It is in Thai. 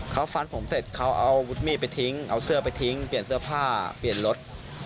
เขาฟันผมเสร็จเขาเอาอาวุธมีดไปทิ้งเอาเสื้อไปทิ้งเปลี่ยนเสื้อผ้าเปลี่ยนรถ